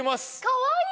かわいい！